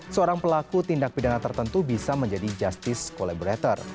seorang pelaku tindak pidana tertentu bisa menjadi justice collaborator